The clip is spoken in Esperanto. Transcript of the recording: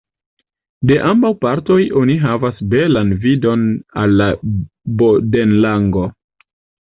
De ambaŭ partoj oni havas belan vidon al la Bodenlago.